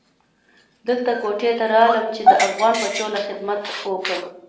دلته کوټې ته رالم چې د افغان بچو له خدمت اوکم.